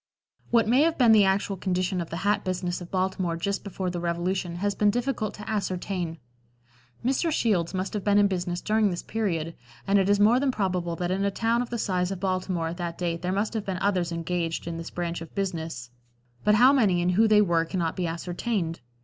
What may have been the actual condition of the hat business of Baltimore just before the Revolution has been difficult to ascertain. Mr. Shields must have been in business during this period, and it is more than probable that in a town of the size of Baltimore at that date there must have been others engaged in this branch of business, but how many and who they were cannot be ascertained.